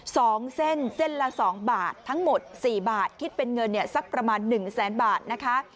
สองเส้นเส้นละสองบาททั้งหมดสี่บาทคิดเป็นเงินเนี่ยสักประมาณหนึ่งแสนบาทนะคะ